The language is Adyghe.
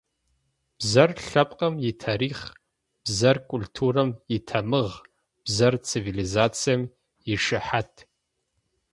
Бзэр – лъэпкъым итарихъ, бзэр культурэм итамыгъ, бзэр цивилизацием ишыхьат.